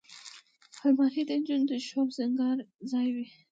الماري د نجونو د شیشو او سینګار ځای وي